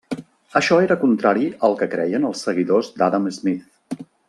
Això era contrari al que creien els seguidors d'Adam Smith.